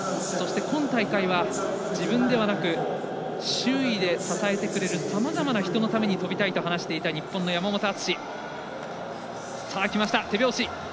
これからは自分ではなく周囲で支えてくれるさまざまな人のために跳びたいと話していた日本の山本篤。